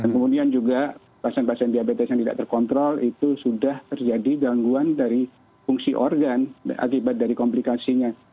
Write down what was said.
kemudian juga pasien pasien diabetes yang tidak terkontrol itu sudah terjadi gangguan dari fungsi organ akibat dari komplikasinya